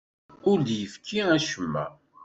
Ur d-yefki acemma.